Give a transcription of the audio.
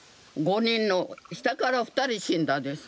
下から２人死んだです。